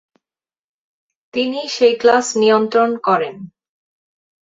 তিনি সেই ক্লাস নিয়ন্ত্রণ করেন।